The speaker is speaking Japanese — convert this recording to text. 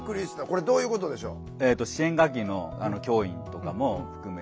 これどういうことでしょう？